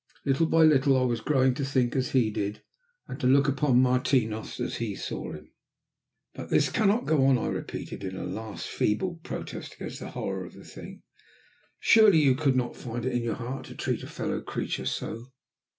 Little by little I was growing to think as he did, and to look upon Martinos as he saw him. "But this cannot go it cannot go on," I repeated, in a last feeble protest against the horror of the thing. "Surely you could not find it in your heart to treat a fellow creature so?"